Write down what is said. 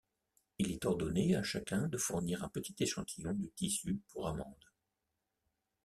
Il est ordonné à chacun de fournir un petit échantillon de tissu pour amende.